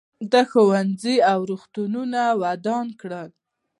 ده ښوونځي او روغتونونه ودان کړل.